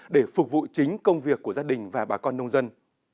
để phục vụ chính công việc của gia đình và bà con nông dân